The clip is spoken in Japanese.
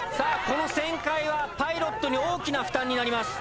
この旋回はパイロットに大きな負担になります。